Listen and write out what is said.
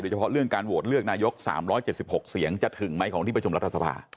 เฉพาะเรื่องการโหวตเลือกนายก๓๗๖เสียงจะถึงไหมของที่ประชุมรัฐสภา